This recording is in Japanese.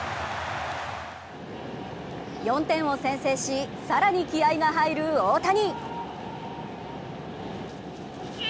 ４点を先制し、更に気合いが入る大谷。